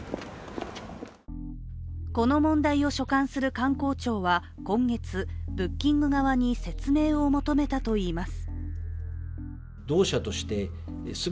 この問題を所管する観光庁は今月、ブッキング側に説明を求めたといいます。